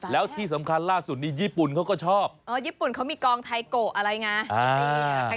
แล้วที่สำคัญล่าสุดนี้ญี่ปุ่นเขาก็ชอบญี่ปุ่นเขามีกองไทโกะอะไรไง